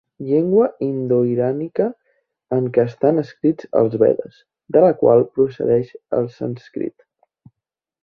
Llengua indoirànica en què estan escrits els Vedes, de la qual procedeix el sànscrit.